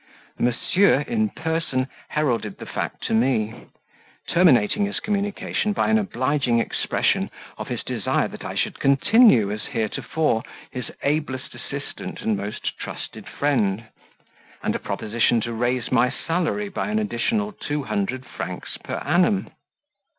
Monsieur, in person, heralded the fact to me; terminating his communication by an obliging expression of his desire that I should continue, as heretofore, his ablest assistant and most trusted friend; and a proposition to raise my salary by an additional two hundred francs per annum.